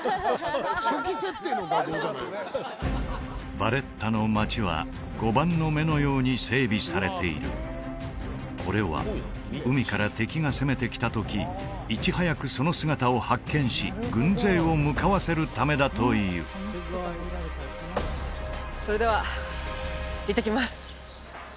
ヴァレッタの街は碁盤の目のように整備されているこれは海から敵が攻めてきた時いち早くその姿を発見し軍勢を向かわせるためだというそれでは行ってきます